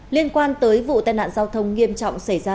liên quan tới vụ tai nạn giao thông nghiêm trọng xảy ra